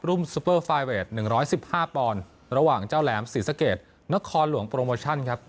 รุ่นซูเปอร์ไฟล์เวสหนึ่งร้อยสิบห้าปอนด์ระหว่างเจ้าแหลมศรีสเกตนครหลวงโปรโมชั่นครับ